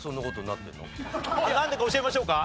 なんでか教えましょうか？